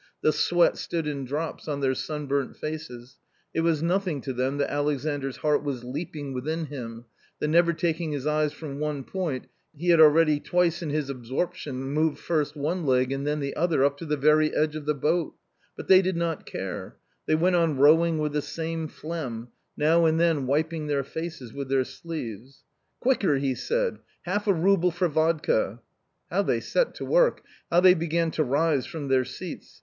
The sweat stood in drops on their sunburnt faces ; it was nothing to them that Alexandr's heart was leaping within him, that never taking his eyes from one point, he had already twice in his absorption moved first one leg and then the other up to the very edge of the boat ; but they did not care ; they went on rowing with the same phlegm, now and then wiping their faces with their sleeves. " Quicker !" he said —" half a rouble for vodka !" How they set to work, how they began to rise from their seats